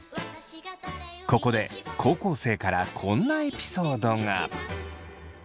ここで高校生からこんなエピソードが。